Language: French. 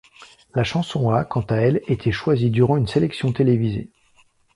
La chanson a quant à elle été choisie durant une sélection télévisée.